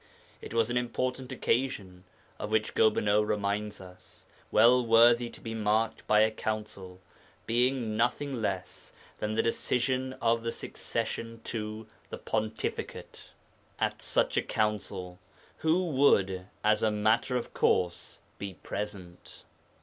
It was an important occasion of which Gobineau reminds us, well worthy to be marked by a Council, being nothing less than the decision of the succession to the Pontificate. At such a Council who would as a matter of course be present?